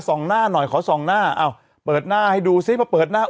หน้าหน่อยขอส่องหน้าอ้าวเปิดหน้าให้ดูซิมาเปิดหน้า